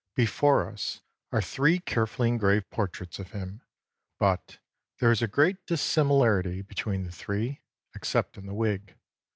Before us are three carefully engraved portraits of him, but there is a great dissimilarity between the three except in the wig.